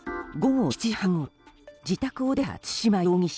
午後７時半ごろ自宅を出た対馬容疑者。